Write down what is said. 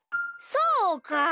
そうか！